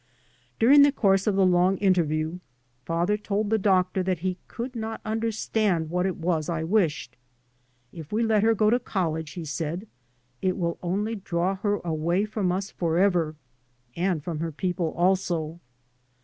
During the course of the long interview father told the doctor that be could not under stand what it was I wished. " If we let her go to college," he said, " it will only draw her away from us forever, and from ber people also."